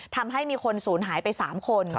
ทำให้มีคนศูนย์หายไป๓คน